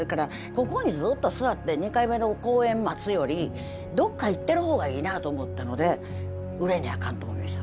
ここにずっと座って２回目の公演待つよりどっか行ってる方がいいなと思ったので売れにゃあかんと思いました。